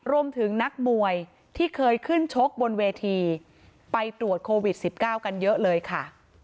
ร่วมถึงนักมวยที่เคยขึ้นชกบนเวทีไปตรวจโควิดสิบเก้ากันเยอะเลยค่ะ